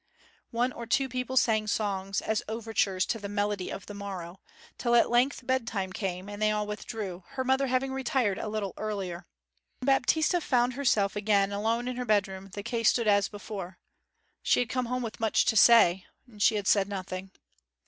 One or two people sang songs, as overtures to the melody of the morrow, till at length bedtime came, and they all withdrew, her mother having retired a little earlier. When Baptista found herself again alone in her bedroom the case stood as before: she had come home with much to say, and she had said nothing.